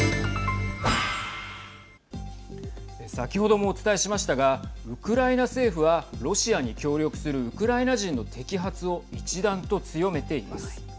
先ほども、お伝えしましたがウクライナ政府はロシアに協力するウクライナ人の摘発を一段と強めています。